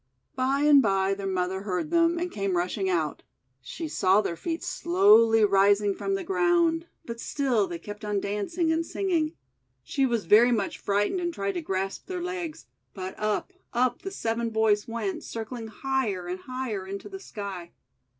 By and by their mother heard them, and came rushing out. She saw their feet slowly rising from the ground; but still they kept on dancing and singing. She was very much 256 THE WONDER GARDEN frightened, and tried to grasp their legs, but up, up the seven boys went, circling higher and higher into the sky.